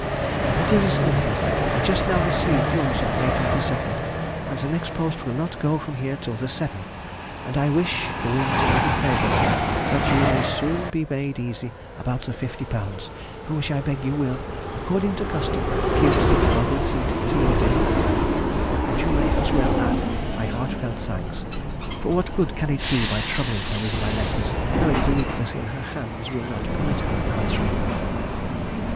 MY DEAREST NEPHEW,— Just now I received yours of May 22nd, and the next post will not go from here till the 7th, and I wish the wind may be favourable that you may be soon made easy about the £50, for which I beg you will, according to custom, give the above receipt to your dear mother. And you may as well add my heartfelt thanks; for what good can it do troubling her with my letters, knowing the weakness in her hands will not permit her answering them....